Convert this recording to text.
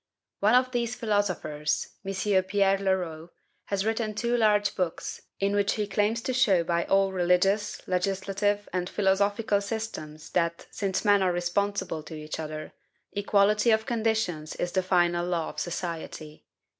One of these philosophers, M. Pierre Leroux, has written two large books, in which he claims to show by all religious, legislative, and philosophical systems that, since men are responsible to each other, equality of conditions is the final law of society.